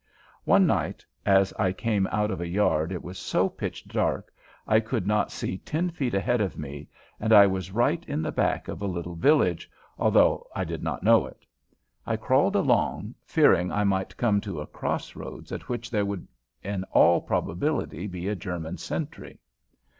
One night as I came out of a yard it was so pitch dark I could not see ten feet ahead of me, and I was right in the back of a little village, although I did not know it. I crawled along, fearing I might come to a crossroads at which there would in all probability be a German sentry.